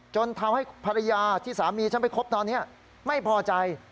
จนทำให้ภรรยาที่สามีฉันไปคบตอนนี้ไม่พอใจ